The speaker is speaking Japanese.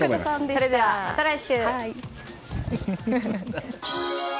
それでは、また来週。